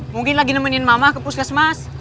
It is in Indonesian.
mungkin lagi nemenin mama ke puskesmas